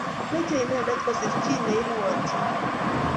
Machi inendet kosiir chi neirwotyini